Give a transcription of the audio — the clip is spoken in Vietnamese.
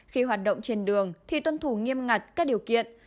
khi hoạt động trên đường thì tuân thủ nghiêm ngặt các điều kiện